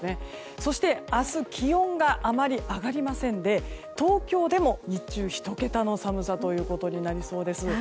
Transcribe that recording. そして、明日気温があまり上がりませんで東京でも日中１桁の寒さということになりそうです。